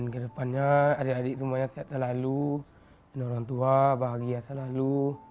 kedepannya adik adik semuanya sehat selalu dan orang tua bahagia selalu